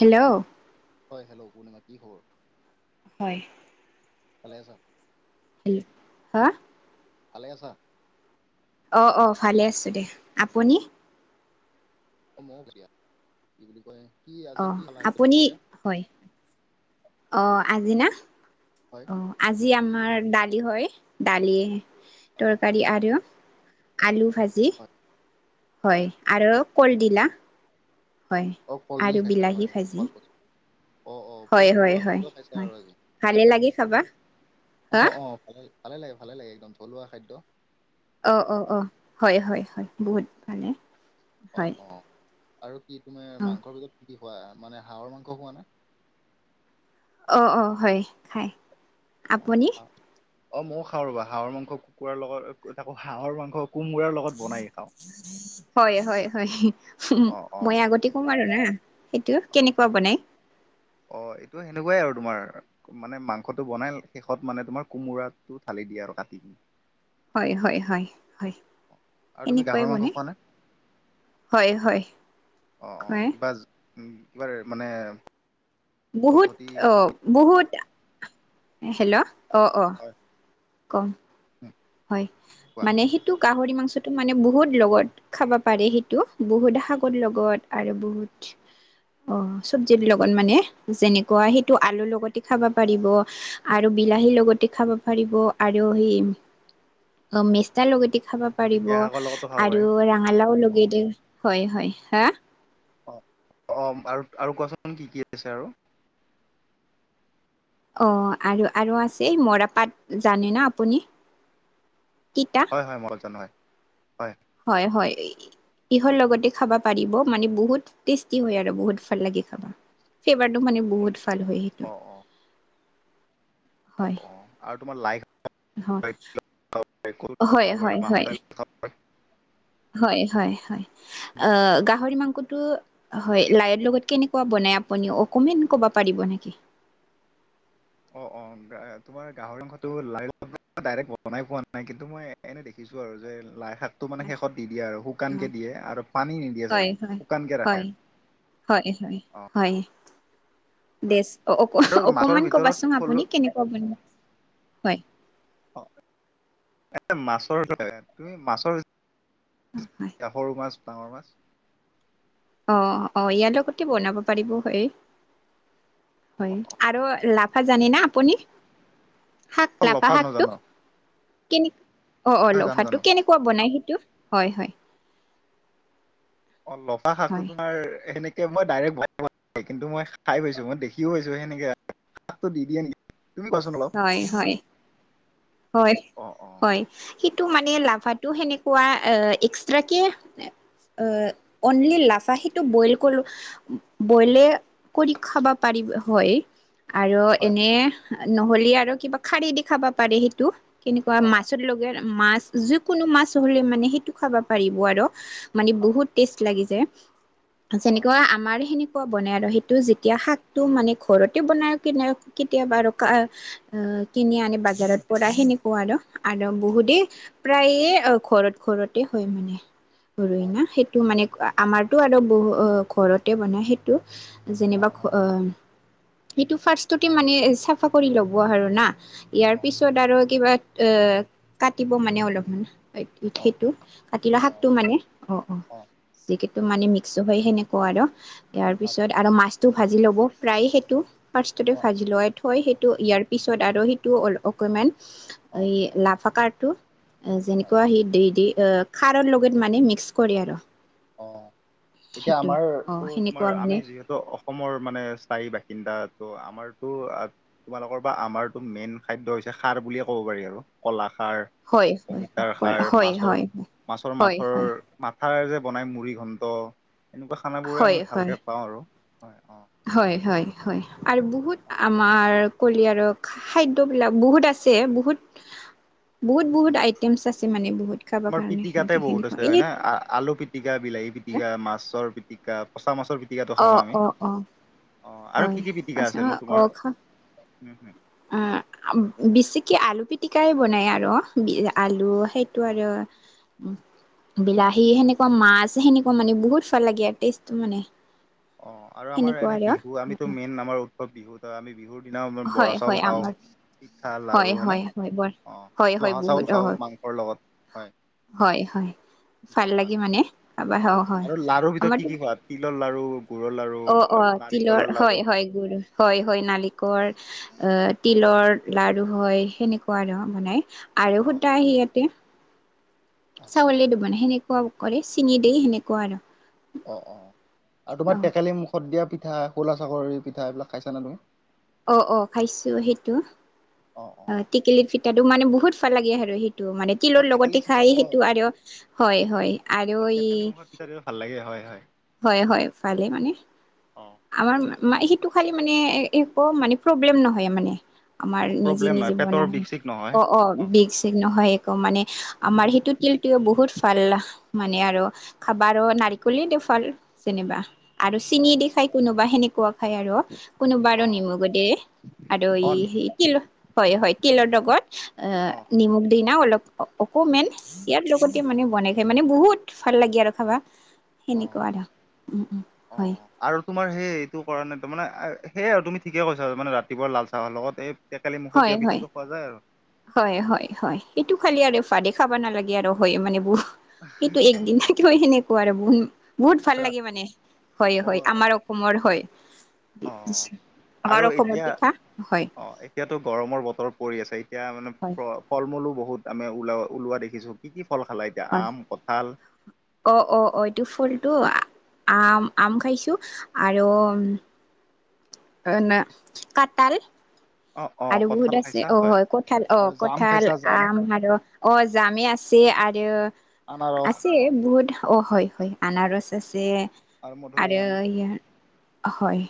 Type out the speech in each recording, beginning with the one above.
Hello হয় hello Purnima কি খবৰ। হয়। ভালে আছা। ই' হা। ভালে আছা। অ'হ, অহ', ভালে আছোঁ দে আপুনি? মৌ তেতিয়া কি বুলি কয় কি অ আজি কি খালা এতিয়া আপুনি দুপৰীয়া? হয়, অ আজি না? হয় অঁ আজি আমাৰ দালি হয়, দালি তৰকাৰী আৰু। আলু ভাজি হয় হয় হয়, আৰু কলডিলা। হয় অ, আৰু কলদিল খাইছা বিলাহী হয় হয় ভাজি কলপচলা। অ অ, পুৰা হয় হয় থলুৱা হয় খাদ্য খাইছে হয় আৰু আজি। ভালে লাগে খাবা হা অহ অ ভালে ভালে লাগে, ভালে লাগে একদম থলুৱা খাদ্য। অ অ অ হয় হয় হয়, বহুত ভালে অ হয়। অ আৰু কি তোমাৰ অ মাংসৰ ভিতৰত কি খোৱা মানে হাঁহৰ মাংস খোৱা নে? অ অ হয়, খায় অ আপুনি? অ অ, ময়ো খাওঁ ৰ'বা হাঁহৰ মাংস কোমোৰা লগত তাকো হাঁহৰ মাংস। কোমোৰাৰ লগত বনাই খাওঁ হয় হয় হয় অ অ মই আগতে কম আৰু না। সেইটো কেনেকুৱা বনাই? অ, এইটো সেনেকুৱাই আৰু তোমাৰ। মানে মাংসটো বনাই শেষত মানে, তোমাৰ কোমোৰাটো ঢালি দিয়ে আৰু কাটি। হয় হয় হয় হয়। অ আৰু তুমি সেনেকুৱাই গাহৰি মাংস বনাই খোৱা নে? হয় হয় অ', অ', খুৱাই। কিবা উম, কিবাৰ মানে বহুত পদ্ধতি অ কিবা বহুত হেল্ল অ অ। হয়। ক উম হয়, মানে সেইটো গাহৰি মাংসটো মানে বহুত লগত। খাবা পাৰি সেইটো বহুত শাকৰ লগত আৰু বহুত। অ, চব্জি লগত মানে যেনেকুৱা সেইটো আলুৰ লগতে খাব পাৰিব। আৰু বিলাহীৰ লগতে খাব পাৰিব আৰু হেৰি অ, মেষ্টা লগতে খাব পাৰিব ঢেকীয়া শাকৰ লগতো খাব পাৰি। আৰু ৰঙালাও অ', লগতে। হয় হয় হা অ অ আৰু আৰু কোৱাচোন কি কি আছে আৰু? অ আৰু আৰু আছে মৰাপাট জানে না আপুনি তি হয় হয় মই জানো হয় হয় হয় হয় তিহৰ লগতে খাবা পাৰিব, মানে বহুত টেষ্টি হয় আৰু বহুত ভাল লাগে খাবা। ফেবাৰটো মানে বহুত ভাল হয়। সেইটো অ অ হয় অ আৰু তোমাৰ লাই হয় হয় হয় হয় [unintelligible] হয় হয় হয় অ গাহৰি মাংসটো হয় লাইৰ লগত কেনেকুৱা বনাই আপুনিও অকনমান কব পাৰিব নেকি? অ অ তোমাৰ গাহৰি মাংসটো লাই লগত ডাইৰেক্ট বনাই পোৱা নাই, কিন্তু মই এনে দেখিছো আৰু যে লাইশাক টো মানে হয় শেষত দি দিয়ে আৰু শুকান কে দিয়ে আৰু পানী নিদিয়ে হয় চাগে হয় শুকানকে ৰাখে। হয় হয় হয় অ', হয়। দেচ অ অ আৰু মাছৰ অকমান ভিতৰত কবাচোন আপুনি থলুৱা কেনেকুৱা হয় এ মাছৰ তুমি মাছৰ হয় এতিয়া সৰু মাছ ডাঙৰ মাছ অ অ ইয়াৰ লগতে বনাব পাৰিব হয় হয় অ আৰু হয় জানি না আপুনি শাক লাফা লফা শাকটো নাজানো কে অ অ জানো লফাটো জানো কেনে কোৱা বনাই সেইটো হয় হয় অ লফা শাক টো হয় তোমাৰ সেনে ত মই ডাইৰেক্ট বন কিন্তু মই খাই পাইছো মই দেখিও পাইছো সেনেকেটো দি দিয়ে নেকি তুমি কোৱাচোন অলপ হয় অ অ হয় সেইটো মানে লাভাতো সেনেকুৱা এক্সট্ৰা কে অনলি লাফাহীটো বইল কৰিলোঁ বইলে কৰি খাবা পাৰিব হয়। আৰু হয় হয় এনে নহলে আৰু কিবা খাৰী দি খাবা পাৰে সেইটো কেনেকুৱা অ মাছত লগা মাছ যিকোনো মাছ হ'লে মানে সেইটো খাব পাৰিব আৰু মানে হয় বহুত টেষ্ট লাগি যায় অ যেনেকুৱা আমাৰ সেনেকুৱা বনাই আৰু সেইটো যেতিয়া শাকটো মানে ঘৰতে বনাই কেতিয়াবা কিনি আনি বজাৰত পৰা সেনেকোৱা আৰু আৰু বহুতেই প্ৰায়ে ঘৰত ঘৰতে হয় মানে। অ ঘইনা সেইটো মানে আমাৰতো আৰু বহু ঘৰতে বনাই সেই অ যেনিবা ঘৰ অ সেইটো ফাৰ্ষ্ট তে মানে চাফা কৰি ল'ব আৰু না ইয়াৰ অ পিছত চ'ত আৰু কিবা অ কাটিব মানে অলপমান অ সেইটো কাতি লোৱা অ শাকটো মানে অ অ যিকেই টো মানে মিক্স হয় সেনেকুৱা আৰু তাৰ পিছত আচ্ছা আৰু মাছ ভাজি ল'ব প্ৰায় সেইটো ফাৰ্ষ্ট তে অ ভাজি লোৱাই থৈ সেইটো ইয়াৰ পিছত আৰু স অকমান অ এই লাফাকাৰটো হয় যেনেকুৱা সি দি এ খাৰৰ লগত মানে মিক্স কৰে আৰু অ এতিয়া সেইটোৱে আমাৰ অ তো তোমাৰ সেনেকুৱা আমি মানে যিহেতু ত অসমৰ মানে স্থায়ী বাসিন্দা ত' আমাৰতো তোমালোকৰ বা আমাৰতো মেইন খাদ্য হৈছে খাৰ বুলিয়ে ক'ব পাৰি আৰু ক'লা খাৰ হয় অমিতাৰ হয় সাৰ হয় মাছৰ হয় মাছৰ হয় মাথৰ হয় মাথাৰে যে বনায় মুড়ি ঘণ্ট এনেকুৱা খানা বোৰে আমি হয় ভালকৈ পাওঁ আৰু হয় অঁ হয় হয় হয় আৰু বহুত আমাৰ কি আৰু খাদ্য বিলাক বহুত আছে বহুত বহুত বহুত টম চাছে মানে বহুত খাব আমাৰ কাৰণে পিটিকাতে বহুত সেনেকুৱা আছে এই হয় ন আলু পিটিকা বিলাহী পিতিকা মাছৰ পি পিটিকা পচাছৰ পিটিকাটো অ খাওঁ ন অ আমি অ অ আৰু হয় কি কি পিটিকা আছিল নো তোমাৰ অ বেছিক আলু পিটিকাই বনায় আৰু অ বি আলু সেইটো আৰু অ বিলাহী সেনেক মাছ সেনেকুৱা মানে বহুত ভাল লাগে ই টেষ্টো মানে অ আৰু আমাৰ সেনেকুৱা এনে আৰু বিহু আমিতো মেইন আমাৰ উৎসৱ বিহু ত আমি বিহু দিদি আ বৰা হয় চাউল হয় খাওঁ আমাৰ পিঠা হয় লাৰু হয়নে হয় হয় বৰ অঁ হয় হয় জহা বহুত চাউল অ খাওঁ মাংসৰ লগত হয় হয় -হয়। ভাল জলপান লাগে মানে খাবা অ', হয় আৰু লাৰুৰ ভিতৰত আমাৰতো কি-কি খোৱা তিলৰ লাৰু। গুৰৰ লাৰু অ অ তাৰপিছত তিলৰ নাৰিকলৰ হয় লাৰু। হয় গুৰ হয়-হয় নালিকৰ। আ অ তিলৰ লাৰু হয় সেনেকুৱা আৰু মানে আৰু অ শুদা ইয়াতে। অ চাউলে দি বানাই সেনেকুৱা কৰে চিঙি দে সেনেকুৱা আৰু। অ', অ', আৰু তোমাৰ অ টেকেলি মুখত দিয়া পিঠা খোলা চাপৰি পিঠা এইবিলাক খাইছা নে তুমি? অ', অ', খাইছোঁ সেইটো। অ', অ' অ', টেকেলি পিঠাটো মানে বহুত ফাল লাগে আৰু সেইটো মানে। অ তিলৰ টেকেলি লগতে খাই অ সেইটো আৰু হয়-হয় আৰু ই [unintelligible] ভাল লাগে হয়-হয়। হয় -হয়, ভালে মানে। অ'। আমাৰ মা মা সেইটো খালি মানে এ একো মানে প্ৰব্লেম নহয় মানে। আমাৰ অ নিজে প্ৰব্লেম নহয় -নিজে পেটৰ বনাই বিষ চিক নহয় অ', অ', বিষ চিক নহয় এ আকৌ মানে আমাৰ সেইটো তিলটোৱে বহুত ভাল মানে আৰু। খাবাৰো নাৰিকলে দি ফাল যেনিবা আৰু চেনি দি খাই কোনোবা সেনেকুৱা। খাই আৰু কোনোবাৰ অ নিমখও দিয়ে আৰু অ ই [unintelligible] হয় -হয় তিলৰ লগত অ', নিমখ দি না অলপ। অকমেন ইয়াৰ অ লগতে মানে বনাই খায় মানে বহুত ভাল লাগে আৰু খাবা। অ সেনেকুৱা আৰু উম -উম অ হয়। আৰু তোমাৰ সেই এইটো কৰা নাই তো মানে আ সেয়া আৰু তুমি ঠিকে কৈছা মানে ৰাতিপুৱা লাল চাহৰ লগত এই। টোকেলি মুখত হয় দিয়া হয় পিঠাতো খোৱা যায় আৰু। হয়- হয়-হয় এইটো খালি আৰু ভাতে খাব নালাগে আৰু হয় মানে বহ সেইটো একদিনে থাকিলেও সেনেকুৱা আৰু বহু বহুত ভাল লাগে মানে অ হয়-হয় আমাৰো। অসমৰ হয় অ [unintelligible] আমাৰ আৰু অসমৰ এতিয়া পিঠা হয়। অ এতিয়াতো গৰমৰ বতৰ পৰি আছে এতিয়া মানে হয় প্ৰ ফল মূলো বহুত আমি ওলা ওলোৱা দেখিছোঁ কি কি ফল খালা এতিয়া হয় আম, কঁঠাল। অ', অ', অ', এইটো ফলটো আম-আম খাইছোঁ আৰু উম অ', না কাঠাল। অ অ আৰু বহুত কঁঠাল আছে খাইছা অ', হয় কঠাল আৰু অ', জাম কঠাল খাইছা জাম আম আৰু অ', জামেই আছ ছে আৰু আনাৰস আছে বহুত অ', হয়। হয়, আনাৰস আছে আৰু ই হয়।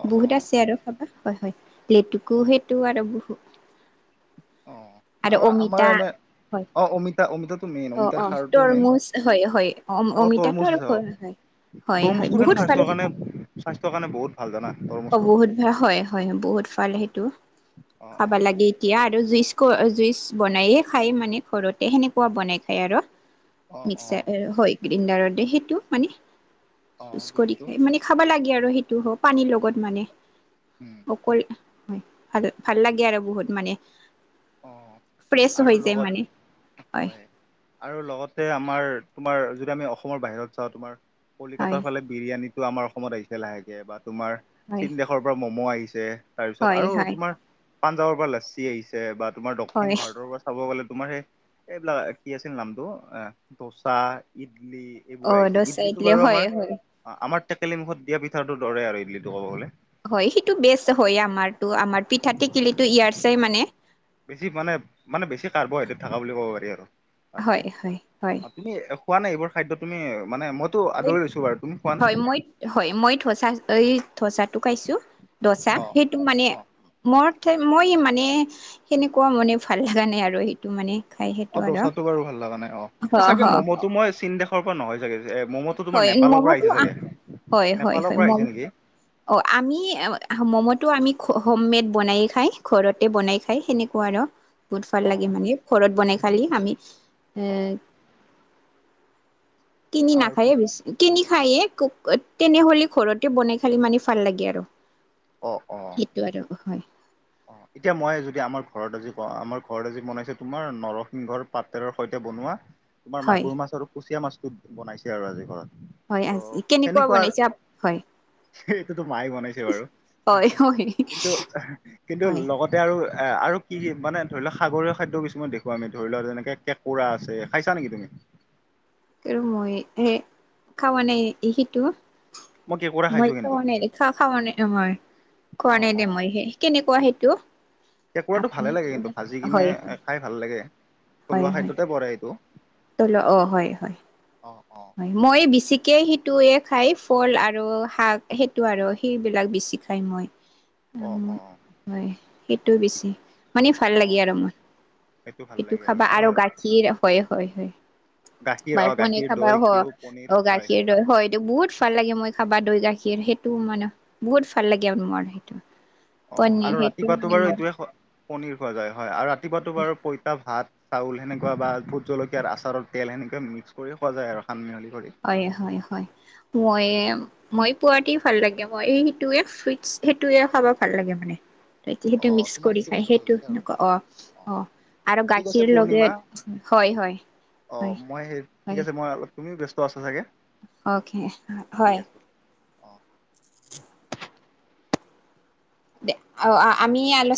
অ অ বহুত আছে আৰু [unintelligible] হয়- হয়, লেতেকু সেইটো আৰু বহু অ', আৰু আমাৰ এনে হয় অ', অমিতা অমিতাটো মেইন অ অমিতাৰ অ খাৰটো মেইন তৰমুজ হয় হয় অ', অমিতাটো তৰমুজ আৰু আছে অ'। হয় হয় হয় তৰমুজটো হেনো বহুত ভাল স্বাস্থ্যৰ কাৰণে স্বাস্থ্যৰ কাৰণে বহুত ভাল জানা তৰ অ', বহুত ভাল হয়-হয় বহুত ভাল সেইটো খাবা অ', লাগে। এতিয়া আৰু জুইচ ক জুইচ বনাই খাই মানে ঘৰতে সেনেকুৱা বনাই খায় আৰু। অ', অ', মিক্সাৰ হয়, গ্ৰাইণ্ডাৰ সেইটো মানে অ', জুইচ কৰি বুজিছো খায় মানে। খাব লাগে আৰু সেইটো হ পানীৰ লগত মানে। উম। অকল হয় ভাল-ভাল লাগে আৰু বহুত মানে। অ'। ফ্ৰেছ আৰু হৈ যায় লগত মানে হয়। আৰু লগতে আমাৰ তোমাৰ যদি আমি অসমৰ বাহিৰত যাওঁ তোমাৰ হয় কলিকতাৰ ফালে বিৰিয়ানীটো আমাৰ অসমত আহিছে লাহেকে বা তোমাৰ হয় চীন দেশৰ পৰা ম'ম' আহিছে তাৰপিছত হয় আৰু হয় তোমাৰ পাঞ্জাৱৰ পৰা লচ্ছি আহিছে বা তোমাৰ হয় দক্ষিণ ভাৰতৰ পৰা চাব গ'লে তোমাৰ সেই এইবিলাক কি আছিল নামটো এ দোচা, ইডলি অ এইবোৰ আহিছে ইডলি টো দচাইতলে বাৰু হয় আমাৰ হয় আমাৰ টেকেলি মুখত দিয়া পিঠাটো দৰে আৰু ইডলিটো ক'ব গলে হয় সেইটো বেচ হয় আমাৰতো আমাৰ পিঠা টেকিলিটো ইয়াৰ চাই মানে বেছি মানে মানে বেছি কাৰ্বহাইড্ৰেট থকা বুলি ক'ব পাৰি আৰু তাতকে হয় হয় হয় আপুনি পোৱা নাই এইবোৰ খাদ্য তুমি মানে মই মই হয় মই হয় মই ধোচা এই দচাটো খাইছোঁ দচা অ সেইটো মানে অ মোৰ মই মানে সেনেকুৱা মানে ভাল লগা নাই আৰু সেইটো মানে খাই সেইটো অ', আৰু দোচাটো বাৰু ভাল লগা নাই অ', এ চাগে ম'ম'টো মই চীন দেশৰ পৰা নহয় চাগে। এ ম'ম'টো তোমাৰ হয় নেপালৰ পৰা মম'টো আহিছে চাগে হয় হয় হয় নেপালৰ পৰা মম আহিছে নেকি অ', আমি ম'ম'টো আমি হোম মেড বনাই খাই ঘৰতে বনাই খাই সেনেকুৱা আৰু বহুত ভাল অ লাগে মানে ঘৰত বনাই খালি আমি এ অ কিনি আৰু নাখায়েছ কিনি খায়ে তেনেহ'লে ঘৰতে বনাই খালি মানে ভাল লাগে আৰু অ', অ সেইটো আৰু হয় অ', এতিয়া মই যদি আমাৰ ঘৰত আজি ক আমাৰ ঘৰত আজি বনাইছে তোমাৰ নৰসিংহৰ পাতৰ সৈতে বনোৱা তোমাৰ হয় মাগুৰ মাছ আৰু কুচিয়া মাছতটো বনাইছে আৰু আজি ঘৰত হয়, আজি কেনেকুৱা বনাইছা হয় সেইটোতো মায়ে বনাইছে বাৰু হয় হয় কিন্তু কিন্তু হয় লগতে আৰু আৰু কি মানে ধৰি লওক সাগৰীয় খাদ্য কিছুমান দেখোঁ আমি ধৰি লোৱা যেনেকে কুকুৰা আছে খাইছা নেকি তুমি কি মই সে খোৱা নাই সিটো মই কেঁকোৰা মই খাইছো কিন্তু খোৱা নাই খা নহয়। খোৱা নাই দে মই সেই কেনেকুৱা সেইটো কেঁকুৰাটো আপুনি ভালে লাগে কিন্তু ভাজি কিনে হয় হয় খাই ভাল লাগে হয় থলুৱা হয় খাদ্যতে পৰে এইটো তল অ', হয় হয় অ', অ'। হয় মই বেছিকে সেইটোৱে খাই ফল আৰু শাক সেইটো আৰু সেইবিলাক বেছি খায় মই অ', অ', অ' হয় সেইটো বেছি মানে ভাল অ লাগে আৰু মই সেইটো খাবা আৰু গা কি হয়, হয়, হয় গাখীৰ বাই অ', পোৱা নাই গাখীৰ খাবা দৈ হ ঘিউ পনীৰ অ', হয় গাখীৰ দৈ হয় টো বহুত ভাল লাগে মই খাবা দৈ গাখীৰ সেইটো মানে বহুত ভাল লাগে আৰু মোৰ সেইটো অ', পনীৰ আৰু সেইটো ৰাতিপুৱাটো মানে বাৰু মোৰ এইটোৱে পনীৰ খোৱা যায় হয় আৰু ৰাতিপুৱাটো বাৰু পঁইতা ভাত চাউল সেনেকুৱা বা ভোট জলকীয়াৰ আচাৰত তেল সেনেকুৱা মিক্স কৰি সজায় আৰু সান মিহলি কৰি হয়, হয়, হয় মইএ মই পোৱতে ভাল লাগে মই সেইটোৱে ফুইটচ সেইটোৱে খাব ভাল লাগে মানে অ সেইটো মিক্স তোমাৰ কৰি খাই বস্তু ভাল সেইটো লাগে আৰু। তেনেকুৱা অ', অ' আৰু ঠিক আছে গাখীৰ লগে পূৰ্ণিমা হয়, হয়। হয় অ', মই সেই ঠিক হয় আছে মই অলপ তুমিও ব্যস্ত আছা চাগে। অকে ঠিক হয় আছে। অ [unintelligible] দে অ আমি আলোচ